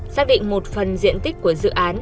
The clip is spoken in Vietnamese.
xác định một phần diện tích của dự án